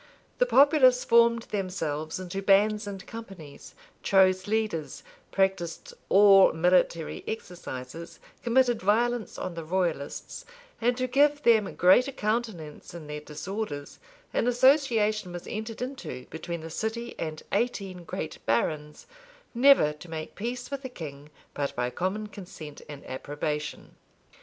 The populace formed themselves into bands and companies; chose leaders; practised all military exercises; committed violence on the royalists; and to give them greater countenance in their disorders, an association was entered into between the city and eighteen great barons, never to make peace with the king but by common consent and approbation.